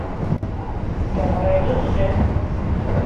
Ә һарайғыр шәп!